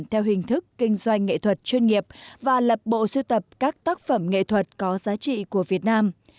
theo hình thức kinh doanh nghệ thuật chuyên nghiệp và lập bộ siêu tập các tác phẩm nghệ thuật có giá trị của việt nam